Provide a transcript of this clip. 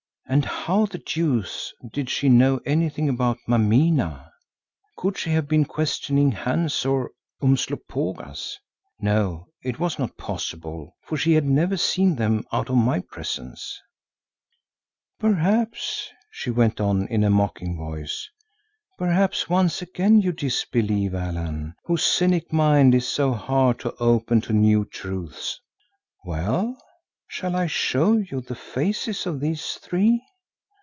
And how the deuce did she know anything about Mameena? Could she have been questioning Hans or Umslopogaas? No, it was not possible, for she had never seen them out of my presence. "Perhaps," she went on in a mocking voice, "perhaps once again you disbelieve, Allan, whose cynic mind is so hard to open to new truths. Well, shall I show you the faces of these three?